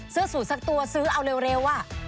เสื้อสูตรสักตัวซื้อเอาเร็วอ่ะ